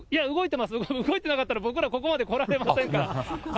動いてなかったら、僕らここまで来られませんから。